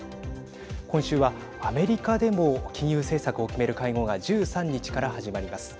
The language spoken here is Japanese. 今週はアメリカでも金融政策を決める会合が１３日から始まります。